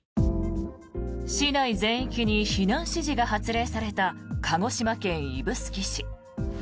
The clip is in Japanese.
市内全域に避難指示が発令された鹿児島県指宿市。